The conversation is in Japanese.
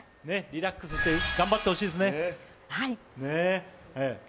リラックスして頑張ってほしいですね。